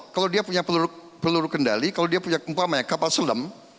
kalau dia punya peluru kendali kalau dia punya kapal selam